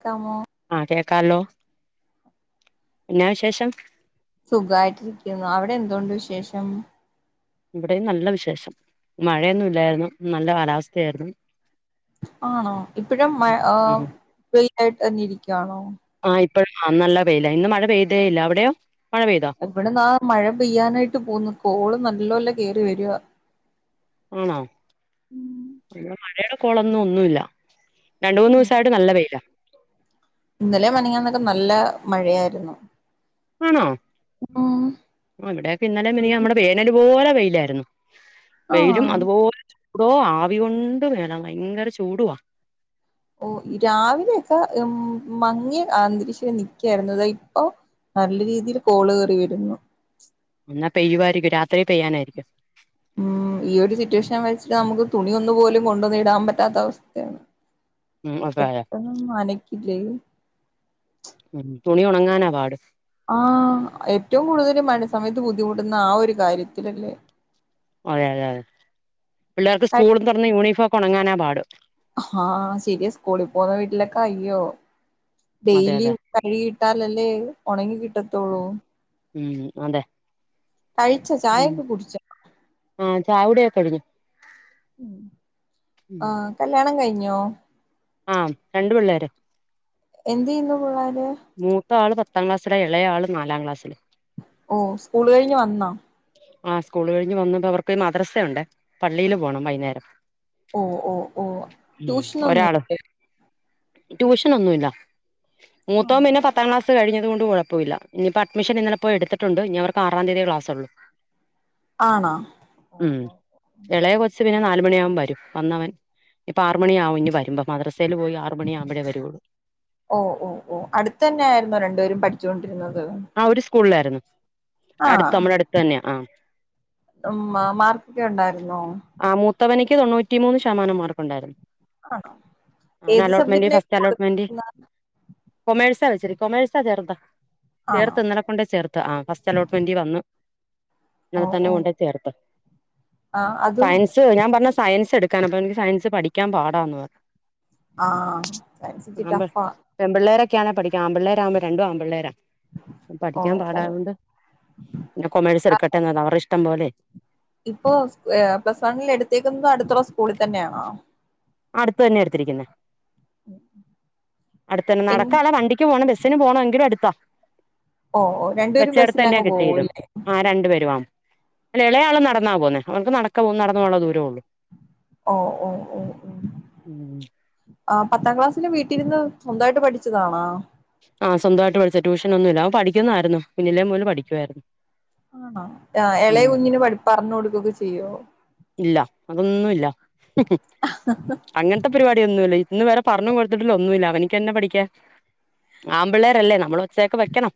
ക്കമോ കലോ ന്നാ വിശേഷം സുഖായിട്ടിരിക്കുന്നു അവിടെ എന്തുണ്ട് വിശേഷം ഇവിടെ നല്ല വിശേഷം മഴന്നുല്ലായിരുന്നു നല്ല കാലാവസ്ഥയായിരുന്നു ആണോ ഇപ്പഴും മഴ ആ ഉം വെയിലായിട്ട് തന്നെ ഇരിക്കുകവാണോ പ്പൊ നന്നല്ല വെയ്‌ലാ ഇന്ന് മഴ പെയ്തേ ല്ല അവിടെയോ മഴ പെയ്തോ എവിടെന്നാ മഴ പെയ്യാനായിട്ട് പോകുന്നു കോള് നല്ലോല്ല കേറി വരുവാ ആണോ ഉം പിന്നെ മഴ കൊളന്നൊന്നുല്ല രണ്ട് മൂന്ന് ദിവസായിട്ട് നല്ല വെയില ഇന്നലെ മിനിഞ്ഞാന്നൊക്കെ നല്ല മഴയായിരുന്നു ആണോ ഉം ഇവിടെയൊക്കെ ഇന്നലെ ഇത് നമ്മടെ വേനൽ പോലെ കയിലായിരുന്നു [unintelligible] വെയിലും ആഹ് അതുപോലെ ചൂടോ ആവി കൊണ്ട് മേല ഭയങ്കര ചൂടുവാ ഓ രാവിലെൊക്കെ മങ്ങിയെ അന്തരീക്ഷരി നക്കായിരുന്നു അതാ ഇപ്പോൊ നല്ല രീതിയിൽ കോള് കറി വരുന്നു എന്നാ പെയ്യുവായിരിക്കും രാത്രി പെയ്യാനായിരിക്കും ഉം ഈ ഒരു സിറ്റുവേഷൻ വെച്ചിട്ട് നമുക്ക് തുണിയ ഒന്നു പോലും കൊണ്ടൊന്നു ഇടാൻ പറ്റാത്ത അവസ്ഥയാണ് ഉം അതെ അതെ പെട്ടെന്ന് മനക്കി ചെയ [unintelligible] ഉ തുണി ഉണങ്ങാൻ ആണ് പാട് ആഹ ഏറ്റവും കൂടുതൽ മഴ സമയത്ത് ബുദ്ധിമുട്ടുന്ന ആ ഒരു കാര്യത്തിലല്ലേ അതെ അതെ അതെ പിള്ളേർ സ്കൂളും തുറന്നു യൂണഫോം ഉണങ്ങാനാ പാട് ആഹ ശരിയാ സ്കൂളിൽ പോവുന്ന വീട്ടിലൊക്കെ അയ്യോ അതെ ഡെയിലി അതെ കഴുകിയിട്ടാൽ അല്ലേ ഉണങ്ങി കിട്ടത്തോളൂ ഉം അതെ കഴിച്ച ചായയൊക്കെ കുടിച്ചോ ചായ കുടി ഒക്കെ കഴിഞ്ഞു ആഹ കല്യാണം കഴിഞ്ഞു ഴിഞ്ഞോ ആഹ രണ്ട് പിള്ളേര് എന്ത് ചെയ്യുന്നു പുള്ളാരി ര് മൂത്ത ആള് പത്താം ക്ലസ്സായി ഇളയാ ആള് നാലാം ക്ലാസിലും ഓ സ്കൂൾ കഴിഞ്ഞ് വന്നാ ആ സ്കൂള് കഴിഞ്ഞ് വന്ന അവർക്ക് മദ്രസുണ്ട് പള്ളിയില് പോണം വൈകുന്നേരം ഓ ഓ ഓ ട്യൂഷൻ ഒന്നും ഇല്ലേ ട്യൂഷൻ ഒന്നുമില്ല ആണോ പിന്നെ പത്താം ക്ലാസ്സിലും പത്തു കഴിഞ്ഞത് കൊണ്ട് കുഴപ്പല്ല ഇപ്പോ അഡ്മിഷൻ ഇന്നെലെ പോയി എടുത്തിട്ടുണ്ട് ഇനി അവർക്ക് ആറാം തീയതിയേ ക്ലാസുള്ളൂ ആണോ ഉം ഇളയ കൊച്ചു നാലു മണിയാവുമ്പോൾ വരും വന്നവൻ ഇപ്പൊ ആറു മണി ആവും ഇനി വരുമ്പോ മദ്രസ ഓഹ് ഓഹ് ഓം അടുത്തന്നെ ആയിരുന്നോ രണ്ടുപേരും പഠിച്ചോണ്ടിരുന്നത് ആ അവര് സ്കൂളിലായിരുന്നു അടുത്ത് ആഹ് നമ്മുടെ അടുത്ത് തന്നെയാ ആഹ് ഉം മാ മാർക്കൊക്കെ ഉണ്ടായിരുന്നോ? ഇക്ക് തൊണ്ണൂറ്റി മൂന്ന് ശതമാനം മാർക്കുണ്ടായിരുന്നു ആണോ അവന് ഏത് അലോട്ട്മെന്റ് സബ്ജക്റ്റിനായ് ഫസ്റ്റ് കൊടു അലോട്ട്മെന്റ് [unintelligible] കൊമേഴ്സാ വെച്ചരി കൊമെഴ്സ ചേർതാ ആണോ ചേർത്ത് ഇന്നലെ കൊണ്ടേയ് ചേർത്ത് ആ ഫസ്റ്റ് അലോട്ട്മെന്റീവന്ന് ഓ ഇന്നലെ തന്നെ ഓ കൊണ്ടോയ് ചേർത്ത് ആ അതും സയൻസ് ഞാൻ പറ ഞ്ഞു സയൻസെടുക്കാന് അപ്പവന് സയൻസ് പഠി ക്കാൻ പാടാന്ന് പറ ആഹ് സയൻസ് ഇച്ചി ട്ടഫ്‌ ആണ് [unintelligible] പഠിക്കാ ആമ്പ്ള്ളെരാവുമ്പോ രണ്ടും ആമ്പ്ള്ളേര ഓഹ് ഓഹ് പിന്നെ കൊമേഴ്സ് എടുക്കട്ടെന്ന് അവരുടെ ഇഷ്ടം പോലെ ഇപ്പൊ ഏ പ്ലസ് വണ്ണിലെടുത്തെക്കുന്നത് അടുത്ത [unintelligible] കൂടെതന്നെയാണോ അടുത്ത്തന്നെ എടുത്തിരിക്കുന്നെ അടുത്തന്നെ എങ്- നടക്കാളെ വണ്ടിക്ക്‌ പോണം ബസ്സ് സ്സിന് പോണം എങ്കിലും അടുത്താ ഓ ഓ രണ്ടുപേരും വെച്ചട്ത്തന്നെയാ ബസ്സിലങ്ങ് കിട്ടിയതും പോവൂല്ലേ ആ രണ്ടു പേരും ആ അല്ല എളെയാള് നടന്നാ പോകുന്നേ. ഓൽക്ക് നടക്ക പോകും നടന്ന്പോണ ദൂരോള്ളു. ഓ ഓ ഓ ഓ ആഹ് പത്താംക്ലാസ്സില് വീട്ടിരുന്ന് സ്വന്തായിട്ട് പഠിച്ചതാണാ? ആഹ് സ്വന്തവായിട്ട് പഠിച്ചതാ ട്യൂഷനൊന്നുല്ലാ അവൻപഠിക്കുന്നായിര്ന്നു. കുഞ്ഞിലേ മുലെ പഠിക്കുവായിരുന്നു. ആണോ ആ എളയ ഉം കുഞ്ഞിന് പഠി പർഞൊട്കൊക്കെ ചെയ്യോ? ഇല്ല അതൊന്നുമില്ല അങ്ങനത്തെ പരിപാടിയൊന്നുമില്ല ഇന്ന് വരെ പർഞ്ഞുംകൊടുത്തിട്ടില്ല ഒന്നുല്ല അവനിക്കെന്നെ പഠിക്കാൻ ആമ്പിള്ളേരല്ലേ നമ്മള് സേക്ക് വെക്കണം.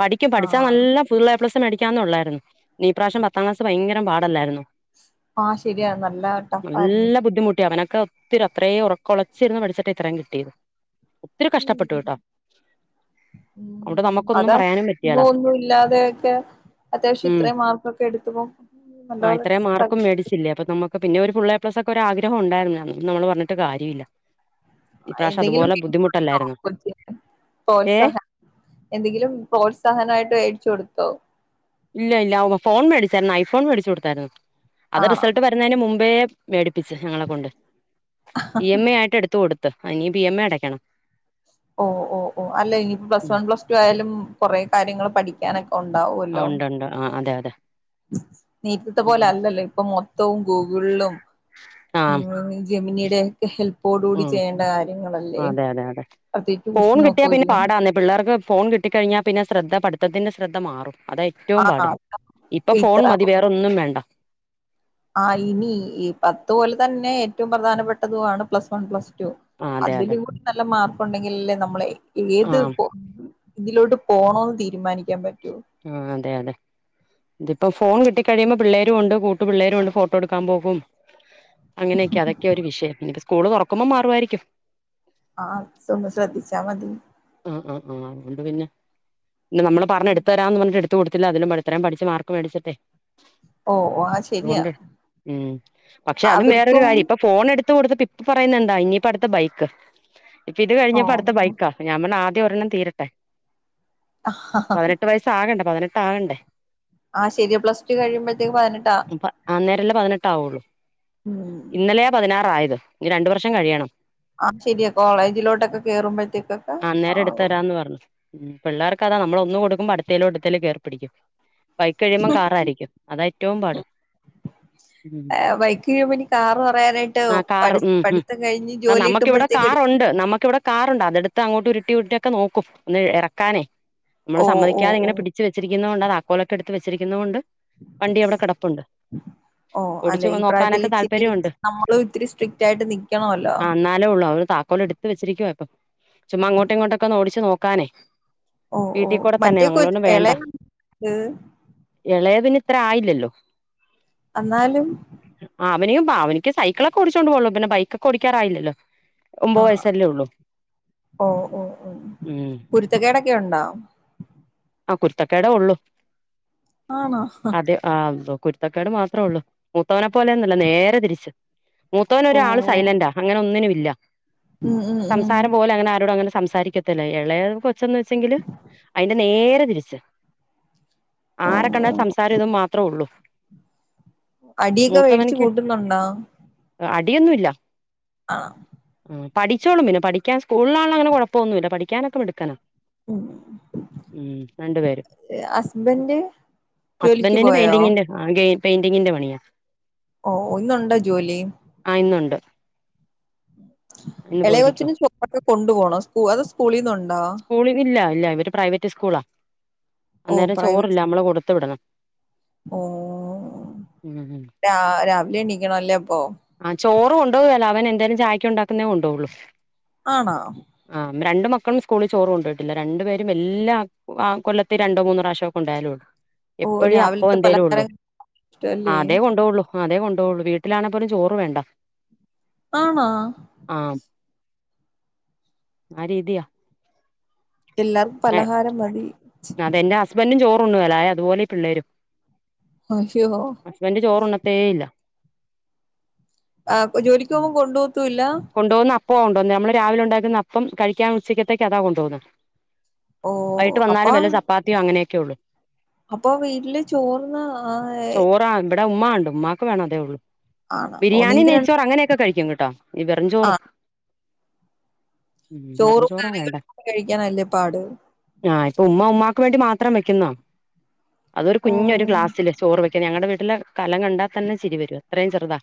പഠിക്കും ആ പഠിച്ചാ നല്ല ഫുള്ളേപ്ലസ് ത്തനടിക്കാന്നൊള്ളേര്ന്നു. നീപ്രാശം പത്താംക്ലാസ് ഭയ്ങ്കരം പാടല്ലായിരര്ന്നോ ആഹ് ശരിയ നല്ല ട്ടഫ്ഫായിരുന്നു. ക്ക ഒത്തിരി അത്രേം ഉറക്കൊളച്ചിര്ന്ന് പഠിച്ചിട്ടിത്രേം കിട്ടേത് ത്തിരി ഉം കഷ്ട്ടപ്പെട്ടുട്ടോ അതാ പറയാനും പറ്റിയേല ഒന്നു ന്നു ഇല്ലാതെയൊക്കെ അത്യാവശ്യം ഉം ഇത്രേം മാർക്കൊക്കെ എടുത്തുവോ നല്ലപോലെ [unintelligible] മക്ക് പിന്നെ ഒരു ഫുള്ളെപ്ലസ് ഒക്കെ ഒരു ആഗ്രഹം ഉണ്ടായിര്ന്ന് നമ്മള് പർഞ്ഞിട്ട് കാര്യേല്ല ഇപ്രാശ്യം എന്തെങ്കിലും അതുപോലെ ബുദ്ധിമുട്ടല്ലാര്ന്നൊ പ്രോത്സഹനം എന്തെങ്കിലും പ്രോത്സഹനായിട്ട് [unintelligible] കൊടുത്തോ ഇല്ല ഇല്ല ഫോൺ മേടിച്ചാരുന്നു ഐഫോൺ മേടിച്ച് കൊടുത്താരുന്നു അത് ആണോ റിസൾട്ട് വരുന്നതിന് മു [unintelligible] മേടി പ്പിച്ച് ഞങ്ങളെ കൊണ്ട് ഇ എം ഐ ആയിട്ട് എടുത്ത കൊടു ത്ത് അയിനിപ്പ ഇ എം ഐ അടക്കണം ഓഹ് ഓഹ് ഓഹ് അല്ല ഇനിയിപ്പ പ്ലസ് വൺ പ്ലസ് ടു ആയാലും കൊറേ കാര്യങ്ങള് പഠിക്കാനൊക്കെ ഒണ്ടാവുവ ആഹ് ഒണ്ടൊണ്ട് ആഹ് അതെ അതെ [unintelligible] നീത്തത്തെ പോലെ ഉം അല്ലല്ലോ ഇപ്പൊ മൊത്തവും ഗുള്ളും ആ ഉം ജമിനിയുടെ ഹെൽപ്പോടു കൂടി ഉം ചെയ്യേണ്ട കാര്യങ്ങളല്ലേ അതെ അതെ അതെ പ്രത്യേകിച്ച് ഫോൺ കിട്ടിയാ ഉഷ്നോക്കെ പിന്നെ ഇല്ലേ പാടാന്നേ പിള്ളേർക്ക് ഫോൺ കിട്ടിക്കഴിഞ്ഞാ പിന്നെ ശ്രദ്ധ പടുത്തത്തി്ന്റെ ശ്രദ്ധ മാറും അതാ ഏറ്റവും പാട് ആ ഇപ്പൊ ഫോൺ മതി വേറൊന്നും വേണ്ട ആഹ് ഇനി ഈ പത്ത് പോലെ തന്നെ ഏറ്റവും പ്രധാനപ്പെട്ടതുാണ് പ്ലസ് വൺ പ്ലസ് ആ അതെ അതില അതെ കൂടി നല്ല മാർ ണ്ടെങ്കിലെല്ലേ നമ്മള് ആ ഏത് ഇതിലോട്ട് പോണോ തീരുമാനിക്കാൻ പറ്റോ ആ അതെ അതെ ഇതിപ്പോം ഫോൺ കിട്ട കഴിയുമ്പോ പിള്ളേരുും ഉണ്ട് കൂട്ട് പിള്ളേരുും ഉണ്ട് ഫോട്ടോ എടുക്കാൻ പോകും അങ്ങനെയൊക്കെ അതൊക്കെ ഒരു വിഷയം സ്കൂള് തുറക്കുമ്പോൾ മാറുവായിരിക്കും ആ ഒന്ന് ശ്രദ്ധിച്ചാ മതി ആഹ് ആഹ് ആഹ് അത്കെണ്ട് പിന്നെ പിന്ന നമ്മള് പറഞ് എടുത്ത് തരാ എന്ന് പറഞ്ഞ് എട് കൊടുത്തില്ല അതി പഠത്തരം പഠിച്ച മാർക്ക് മേടിച്ചിട്ടെ ഓ ആ ശരിയാ അതുകൊണ്ട് ഉം പക്ഷെ അതും വേറൊരു അവർക്കും കാര്യം ഇപ്പൊ ഫോൺ എടുത്ത് എടുത്ത് കൊടുത്ത് ഇപ്പ പറയുനെന്താ ഇനിയിപ്പം അടുത്തത് ബൈക്ക് ഇപ്പ ഓ ഇത്ഴിഞ്ഞപ്പോ അടുത്ത ബൈക്കാ ആദ്യം ഒരെണ്ണം തീരട്ടെ പതിനെട്ട് വയസ്സ ആകണ്ട പതിനെട്ട് ആ ഉണ്ട് ആ ശരിയ പ്ലസ് ടു കഴിയുമ്പോഴത്തേക്ക് പതിനെട്ടാ ട്ട ആവുള്ളൂ ഉം ഇന്നലെയാ പതിനാറായത് ഇനി രണ്ടു വർഷം കഴിയണം ആ ശരിയാ കോളേജിലോട്ടൊക്കെ കേറുമ്പോഴത്തേക്ക് അന്നേരംഎടുത്ത് തരാമെന്ന് പറഞ്ഞു. പിള്ളാർക്കതാ നമ്മ ഒന്ന് കൊടുക്കുമ്പോ അടുത്ത തിലോട്ട് തള്ളി കേറും പിഠിക്കും. ബൈക്ക് കഴിയുമ്പോ കാറായിരിക്കും അതാഏറ്റവും പാട്. ബൈക്ക് കഴിയുമ്പോ ഇനി കാറ് പറയാനായിട്ട് ആ കാർ പഠി ഉം ഉം പഠിത്തം കഴിഞ്ഞ് ആ ജോലി നമുക്കിവിടെ കിട്ടുമ്പോഴത്തേക്ക് എടു കാറുണ്ട് നമുക്കിവിടെ കാറുണ്ട് അതടുത്ത് ഇ അങ്ങോട്ട് ഉരുട്ടി ഉരുട്ടി നോക്കും ഒന്ന് ഇറക്കാനേ. നമ്മള് ഓ ഓ സമ്മതിക്കാതെ ഓ ഇങ്ങനെ പിടിച്ച് വെച്ചിരിക്കുന്ന കൊണ്ടാ താക്കോലെക്കെ എടുത്ത് ത്ത് വച്ചിരിക്കുന്നകൊണ്ട് ഓ അല്ലെ ഓടിച്ചു ഈ പ്രായത്തിൽ നോക്കാനൊക്കെ ഇച്ചിരി താല്പര്യമുണ്ട് നമ്മളും ഇത്തിരി സ്ട്രിക്റ്റ് ആയിട്ട് നിക്കണല്ലോ? കോല്എടുത്തു വെച്ചിരിക്കുവാ ഇപ്പം. ചുമ്മാ അങ്ങോട്ടു ഇങ്ങോട്ടൊക്കെ ഒന്ന് ഓടിച്ച്നോ ക്കാന്ന് ഓ ഓ മറ്റേ കൊ ഇളയാണ് ഇളയതിന് ആയില്ലല്ലോ എന്നാലും ആ അവനും ഭാവനക്ക് സൈക്കിളക്കെ ഓടിച്ചുകോണ്ട് പോകുള്ളൂപിന്നെ ബൈക്കെ ഓടാറായില്ലോ. ആ ഒമ്പത് വയസ്സല്ലേ ഉള്ളൂ. ഓ ഓ ഓ ഉം കുരുത്തക്കേടൊക്കെ ഉണ്ടോ? ആ കുരുത്തകേടേഉള്ളു ആണോ അതെ ആ കുരുത്തക്കാട് മാത്രേള്ളൂ മുത്തവനെ പോലെന്നല്ല നേരെ തിരിച്ച് മൂത്തവന ഓ ഒരാൾ സൈലന്റാ അങ്ങനെ ഒന്നിനും ഇല്ല ഉം ഉം ഉം സംസാരം പോലെ അങ്ങനെ ആരോടും അങ്ങനെ സംസാരിക്കത്തില്ല എളേ കൊച്ചെന്നന്ന് വെച്ചെങ്കിൽ അയ്ന്റെ നേരെ തിരിച്ച ഓ ആരെ ഓ. കണ്ടാൽ സംസാരം ഇതു മാത്ര ള്ളു അടിയൊക്കെ വേടിച്ചു കൂട്ടുന്നുണ്ടോ അടിയൊന്നുല്ല ആഹ് ഉം പഠിച്ചോളും ഇങ്ങനെ പഠിക്കൻ സ്കൂളിലാണങ്ങനെ കൊഴപ്പൊന്നുല്ല പഠിക്കാനൊക്കെ മിടുക്കനാ ഉം ഉം രണ്ടു പേരും ഹസ്ബൻഡ് ജോലിക്ക് ഹസ്ബന്റിന് പോയോ പെയിന്റിങ്ങിന്റെ ആക പെയിന്റിങ്ങിന്റെ പണിയാ ഓ ഒന്നുണ്ടോ ജോലി ആ ഇന്നുണ്ട് ഇന്ന് എളയ പോയിരിക്കുവ കൊച്ചിന് ചോറൊക്കെ കൊണ്ടു പോണം സ് അത് സ്കൂളിന്നുണ്ടോ [unintelligible] ക്ക് സ്കൂള ഓ അന്നേരം ചോറില്ല പ്രൈവറ്റ് അമ്മൾ കൊട് ഒത്ത വിടണം ഓ ഉം ഉം. രാ രാവിലെ എണീക്കണല്ലൊ ഇപ്പൊ ആ ചോറ് കൊ േണ്ട്വലഅവൻ എന്തേലും ചായക്ക്ഉണ്ടാക്കുന്നേ കൊണ്ടോവൊള്ളൂ ആണോ രണ്ടു മക്കളും സ്കൂളിൽ ചോറ് കൊണ്ടയ്ട്ട്ല്ല രണ്ട് പേരും എല്ലാ ആ കൊല്ലത്തി രണ്ടോ മൂന്നോ പ്രാവശ്യേ കൊണ്ടോവെലുള്ളു ഓ എപ്പഴും അപ്പ രാവിലത്തെ എന്തേലും ഉള്ളു പലഹാരം ഇഷ്ടല്ലേ അതേ കൊണ്ടോള്ളു അതേ കൊണ്ട വീട്ടിലാണ് ന് [unintelligible] ചോറ് വേണ്ട ആണോ ആഹ് ആ രീതിയ എല്ലാർ പലഹാരം മതി ചിക് കൊണ്ട് പോവല അതുപോലെ പിള്ളേരും അയ്യോ ഹസ്ബന്റ്‌ ചോറ്ണ്ണ്ട്ടേ ഇല്ല ആ ജോലിക്ക് പോമ്പം കൊണ്ടോ വത്തൂല്ല കൊണ്ടോവ്ന്ന അപ്പവ്വ കൊണ്ടന്ന നമ്മള് രാവിലെ ഉണ്ടാക്കുന്ന അപ്പം കഴിക്കാൻ ഉച്ചക്കത്തേക്ക് അതാ കൊണ്ടോന്നത് ഓ അപ്പാ അങ്ങനെയൊക്കെ ഉള്ളൂ അപ്പൊ വീട്ടില് ചോർന്ന് ആ ഉമ്മാണ്ട് ഉമ്മാക്ക് വേ [unintelligible] അഉള്ളൂ ആണ് ഓ ബിരിയാണി നിങ്ങക്ക് രണ്ട് നെയ്ച്ചോർ അങ്ങനെയൊക്കെ കഴിക്കുന്ന്ട്ടോ വിവരം ആ ചോറ് ഉം വെറും ചോറും ചോറാ വേണ്ട കറികളുംക്കെ കഴിക്കാനല്ലേ പാട് ആഹ് ഉമ്മ ഉമ്മാക്ക് വേണ്ടി മാത്രം വെക്കുന്നാ അതൊരു ഓ കുഞ്ഞൊരു ഗ്ലാസില് ചോറ് വെക്കുന്ന് ഞങ്ങളടെ വീ ട്ടില് കലം കണ്ടാ തന്നെ ചിരി വരും അത്രയും ചെറുതാ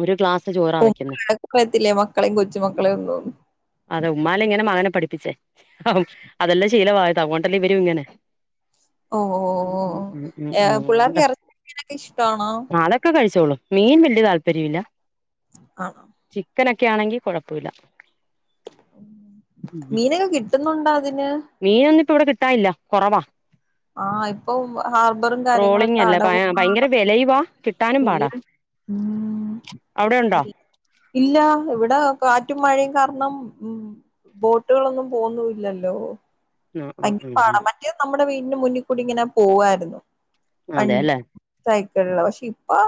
ഒരു ഗ്ലാസ് ചോറാ ഓ വെക്കുന്നെ വഴക്ക് പറയത്തില്ലേ മക്കളെയും കൊച്ചുമക്കളെയും ഒന്നും അതെ ഉമ്മാല ഇങ്ങനെ മകനെ പഠി പ്പിച്ചേ അതെല്ലാം ശീലമായാതാ അതോണ്ടല്ലേ ഇവരും ഇങ്ങനെ ഓ ഓ ഉം ഉം ഉം ഓ ഉം ഉം പുള്ളർക്ക് അതുകൊണ്ടാ ഇറച്ചിമീനൊക്കെ ഇഷ്ടാണോ മീൻവല്യ താൽ പര്യല്ല ആണോ ക്കനൊക്കെ ആണെങ്കി കൊഴപ്പവില്ല മീനൊക്കെ കിട്ടുന്നോണ്ടോ അതിന് മീനൊന്നും ഇപ്പ ഇവിടെ കിട്ടാനില്ല കൊറവാ ആ ഇപ്പൊ ഹാർബറും ട്രോളിംഗ് കാര്യങ്ങളൊക്കെ അല്ലേ ഭയ അടവും ഭയങ്കര വിലയുവാ കിട്ടാനും വല്യ പാടാ ഉം അവിടെ ഉണ്ടോ ഇല്ല ഇവിട കാ റ്റും മഴയും കാരണം ഉം ബോട്ടുകളൊന്നും പോവുന്നൂല്ലല്ലോ ആഹ് പയങ്കര ആഹ് പാടാ ആഹ് മറ്റേ നമ്മുടെ വീ മുന്നി കൂടി ഇങ്ങനെ പോവാരുന്നു വൺ അതെല്ലേ സൈ ക്കിള്ള പക്ഷെ ഇപ്പൊ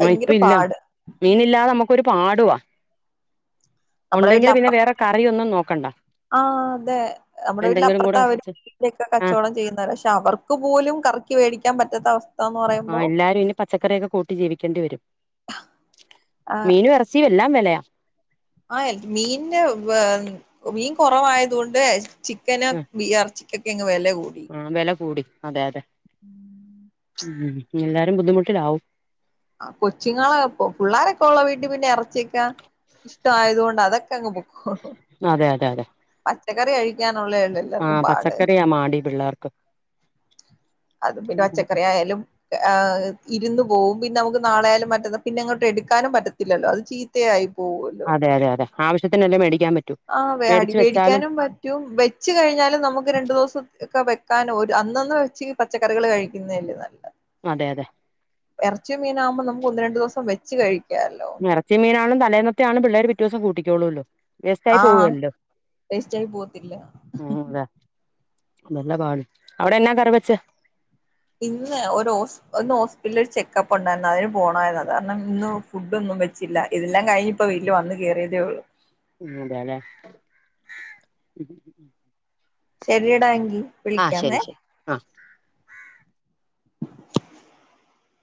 ങ്ങ ഇപ്പ ഇല്ല മീനില്ലാതെ നമ്മക്കൊരു പാട് ടുവാ നമ്മടെ വീട്ടിലപ്പറത്തെ നോക്കണ്ട ആ അതെ നമ്മടെ എന്തെങ്കിലും കൂടെ വീട്ടിലപ്പറത്തെ അവര് ഒപ്പിച്ച് മീനൊക്കെ ആ കച്ചവടം ചെയ്യുന്നവരാ പക്ഷെ അവർക്ക് പോലും കറക്കിവെടിക്ക ക്കാൻ പറ്റാത്ത അവസ് ആ എല്ലാരും ഇനി പച്ചക്കറിയൊക്കെ കൂട്ടി ജീവിക്കേണ്ടി വരും മീനും എറച്ചി എ എല്ലാം വെലയാ ആ എൽ മീന് മീൻ കൊറവായതുകൊണ്ട് ചിക്കന് ആ ബി എർച്ചി കേക്കാങ്ങ് വെല ആ വെല കൂടി അതെ അതെ ഉം എല്ലാരും ബുദ്ധിമുട്ടിലാവും ആ കൊച്ചുങ്ങളെ പുള്ളാരൊക്കെ ഒള്ള വീട്ടി പിന്നെ എറച്ച ച്ചക്കാ ടാ ആയത് കൊണ്ട് അതൊക്കെങ്ങ് പൊക്കോളും അതെ അതെ അതെ പച്ചക്കറി കഴിക്കാം ആ പച്ചക്കറിയാ മാടി പിള്ളേർ ക്ക് അത് പിന്നെ പച്ചക്കറി ആയാലും ക് ആഹ് ഇരുന്ന് പോവും പിന്ന നമുക്ക് നാളെ ആയാലും മറ്റന്ന പിന്ന അങ്ങോട്ട് എടുക്കാനും പറ്റത്തില്ലല്ലോ അത് ചീത്തയായി അതെ അതെതെ ആവശ്യത്തിനല്ലെ മേടി ആ അടിവെടിക്കാനും പറ്റും വെച്ച് കഴിഞ്ഞാലും നമ്ക്ക് രണ്ടു ദോസം ത്ക്ക വെക്കാനോ ഒര് അന്നൊന്ന് വെച്ച് പച്ചക്കറികള് കഴിക്ക്ന്നെ അല്ലെ നല്ലത് അതെ അതെ എറച്ചി മീനു ആവ്മ്പ നമുക്ക് ഒന്ന് രണ്ട് ദോസം വെ ച്ച് കഴി എറച്ചി മീനാണും തലേന്നത് റ്റാളും പിള്ളേര് പിറ്റോസം കൂട്ടിക്കൊളുവല്ലോ ആഹ് വേസ്റ്റായി പോവത്തില്ല നല്ല പാട് അവിടെന്നാ കറി വെച്ച്? ഇന്ന് ഒരൊസ് ഒന്ന് ഹോസ്പിറ്റ്ൽ ഒരു ചെക്കപ്പ് ഒണ്ടാര്ന്ന് അതിന് പോണാര്ന്ന് അത് കാരണം ഇന്നു ഫുഡോന്നും വെച്ചില്ല ഇത് ല്ലാം കഴിഞ്ഞ് ഇപ്പം വീട്ട്ല് വന്ന് കെറിയതേ ഒള്ളു [unintelligible] ശരിയടായെങ്കി ആ വിളിക്കാമേ ശരി ശരി ആ